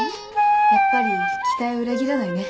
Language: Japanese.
やっぱり期待を裏切らないね。